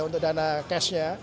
untuk dana cash nya